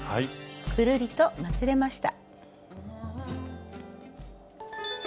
ぐるりとまつれました。